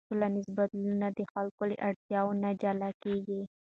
ټولنیز بدلون د خلکو له اړتیاوو نه جلا کېږي.